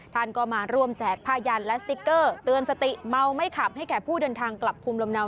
ท่านก็มาร่วมแจกผ้ายันและสติ๊กเกอร์เตือนสติเมาไม่ขับให้แก่ผู้เดินทางกลับภูมิลำเนา